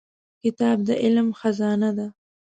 کتاب د علم خزانه ده.